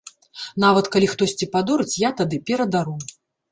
Нават калі хтосьці падорыць, я тады перадару.